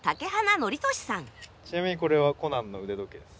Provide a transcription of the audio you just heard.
ちなみにこれはコナンの腕時計です。